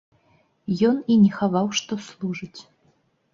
Ён і не хаваў, што служыць.